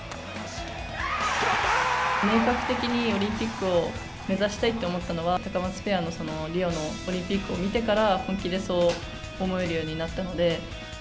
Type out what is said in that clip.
明確にオリンピックを目指したいって思ったのは、タカマツペアのリオのオリンピックを見てから、本気でそう思えるようになったので。